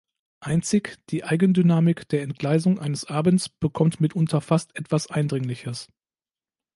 Einzig die „Eigendynamik der Entgleisung eines Abends bekommt mitunter fast etwas Eindringliches“.